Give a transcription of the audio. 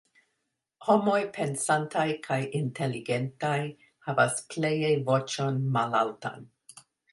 Homoj pensantaj kaj inteligentaj havas pleje voĉon malaltan.